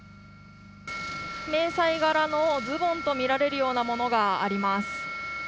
迷彩柄のズボンとみられるようなものがあります。